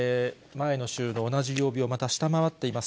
前の週の同じ曜日をまた下回っています。